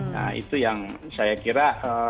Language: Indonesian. nah itu yang saya kira